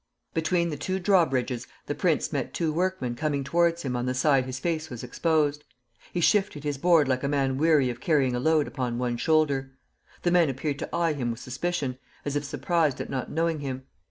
"Between the two drawbridges the prince met two workmen coming towards him on the side his face was exposed. He shifted his board like a man weary of carrying a load upon one shoulder. The men appeared to eye him with suspicion, as if surprised at not knowing him.